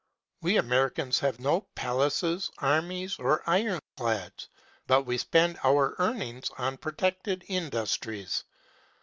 We Americans have no palaces, armies, or iron clads, but we spend our earnings on protected industries.